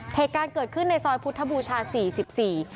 เหตุการณ์เกิดขึ้นในซอยพุทธบูชาสี่สิบสี่